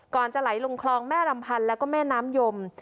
ก่อนจะไหลลงคลองแม่ลำพันธุ์และแม่น้ำยม